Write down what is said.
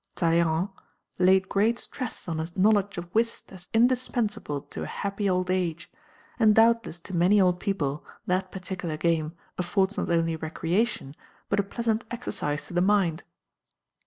Talleyrand laid great stress on a knowledge of whist as indispensable to a happy old age, and doubtless to many old people that particular game affords not only recreation but a pleasant exercise to the mind.